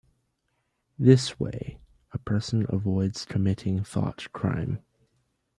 This way, a person avoids committing thoughtcrime.